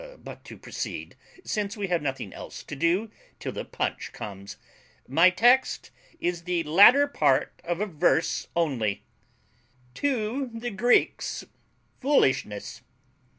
But to proceed, since we have nothing else to do till the punch comes. My text is the latter part of a verse only: To the Greeks FOOLISHNESS.